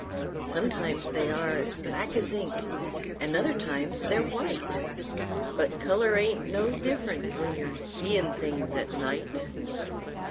Sometimes they are as black as ink, an' other times they're white—But color ain't no difference when you see things at night!